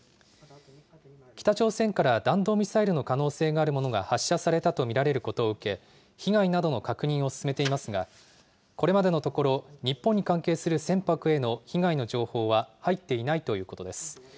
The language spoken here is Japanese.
北朝鮮から弾道ミサイルの可能性があるものが発射されたと見られることを受け、被害などの確認を進めていますが、これまでのところ、日本に関係する船舶への被害の情報は入っていないということです。